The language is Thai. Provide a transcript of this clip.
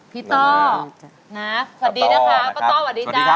พ่อสาว